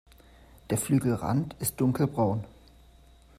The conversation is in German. Der Flügelrand ist dunkelbraun.